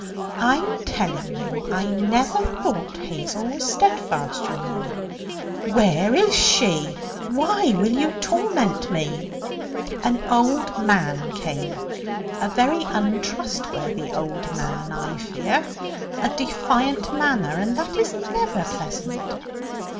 'I'm telling you. I never thought Hazel was steadfast, you know.' 'Where is she? Why will you torment me?' 'An old man came. A very untrustworthy old man, I fear. A defiant manner, and that is never pleasant.